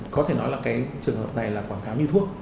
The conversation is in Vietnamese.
có thể nói là cái trường hợp này là quảng cáo như thuốc